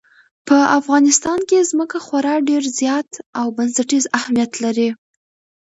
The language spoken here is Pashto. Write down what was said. په افغانستان کې ځمکه خورا ډېر زیات او بنسټیز اهمیت لري.